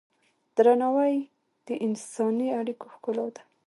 درناوی د انساني اړیکو ښکلا ده.